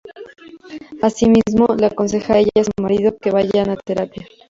Asimismo, le aconseja a ella y a su marido que vayan a terapia.